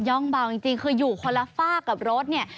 ่องเบาจริงคืออยู่คนละฝากกับรถเนี่ย